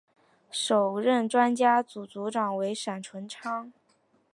首任专家组组长为闪淳昌。